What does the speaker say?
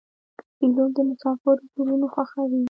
پیلوټ د مسافرو زړونه خوښوي.